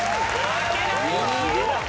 負けないぞ！